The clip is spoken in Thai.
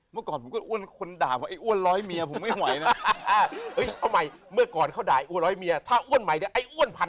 เมือก่อนผมก็อ้วนคนด่าเพราะไอ้อ้วนร้อยเมียผมไม่ไหวนะ